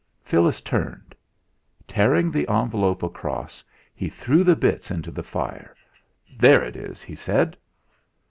Phyllis turned. Tearing the envelope across he threw the bits into the fire. "There it is," he said.